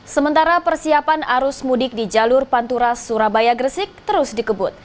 sementara persiapan arus mudik di jalur pantura surabaya gresik terus dikebut